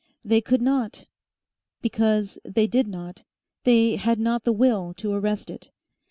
They could not, because they did not, they had not the will to arrest it.